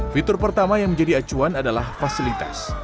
fitur pertama yang menjadi acuan adalah fasilitas